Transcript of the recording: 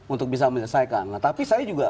untuk bisa menyelesaikan tapi saya juga